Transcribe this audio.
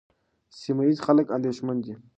سیمه ییز خلک اندېښمن دي.